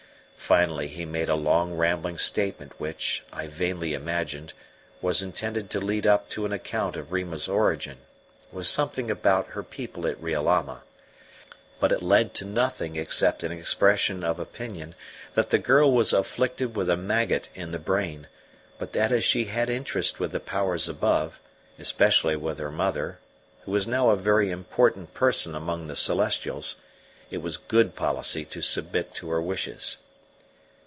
Finally he made a long rambling statement which, I vainly imagined, was intended to lead up to an account of Rima's origin, with something about her people at Riolama; but it led to nothing except an expression of opinion that the girl was afflicted with a maggot in the brain, but that as she had interest with the powers above, especially with her mother, who was now a very important person among the celestials, it was good policy to submit to her wishes.